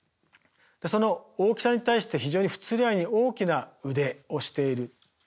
その大きさに対して非常に不釣り合いに大きな腕をしている。